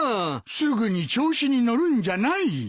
すぐに調子に乗るんじゃない。